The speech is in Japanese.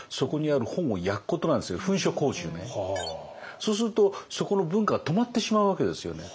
そうするとそこの文化が止まってしまうわけですよね。